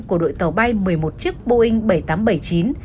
của đội tàu bay một mươi một chiếc boeing bảy trăm tám mươi bảy chín